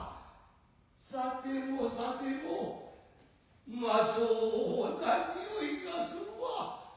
さてもさてもうまそうな匂いがするわ。